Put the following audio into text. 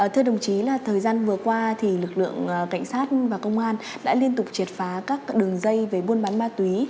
thưa đồng chí là thời gian vừa qua thì lực lượng cảnh sát và công an đã liên tục triệt phá các đường dây về buôn bán ma túy